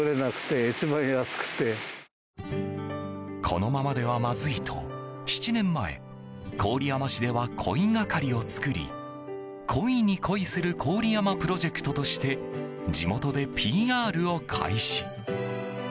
このままではまずいと７年前、郡山市では鯉係を作り鯉に恋する郡山プロジェクトとして、地元でＰＲを開始。